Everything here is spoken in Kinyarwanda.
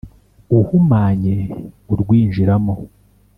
uhumanye urwinjiramo